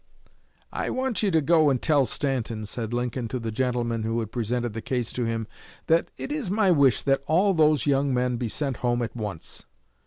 "I want you to go and tell Stanton," said Lincoln to the gentleman who had presented the case to him, "that it is my wish that all those young men be sent home at once."